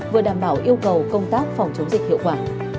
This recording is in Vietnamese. vừa đảm bảo yêu cầu công tác phòng chống dịch hiệu quả